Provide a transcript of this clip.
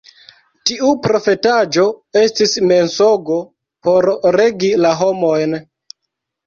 Tiu profetaĵo estis mensogo por regi la homojn.